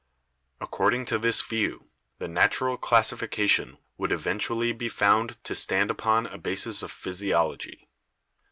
According to this view, the natural classification would eventually be found to stand upon a basis of physiology.